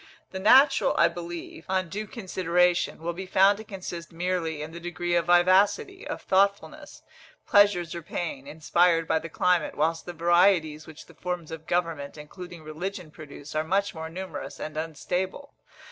The natural, I believe, on due consideration, will be found to consist merely in the degree of vivacity, or thoughtfulness, pleasures or pain, inspired by the climate, whilst the varieties which the forms of government, including religion, produce are much more numerous and unstable.